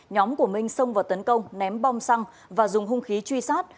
nhóm của minh xông vào tấn công ném bom xăng và dùng hung khí truy sát